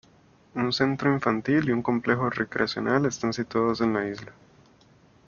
Un centro infantil y un complejo recreacional están situados en la isla.